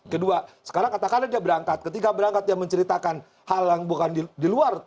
kedua sekarang katakanlah dia berangkat ketika berangkat dia menceritakan hal yang bukan di luar